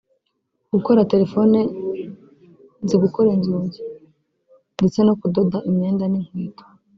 gukora telefoni nzi gukora inzugi ndetse no kudoda imyenda n’inkweto